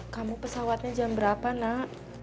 kamu pesawatnya jam berapa nak